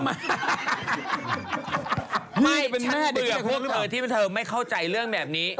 ไม่เป็นแม่เบื่อพวกเธอที่เธอไม่เข้าใจเรื่องแบบนี้